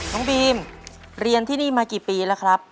น้องบีมเรียนที่นี่มากี่ปีแล้วครับ